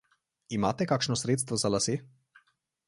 Imate kakšno sredstvo za lase?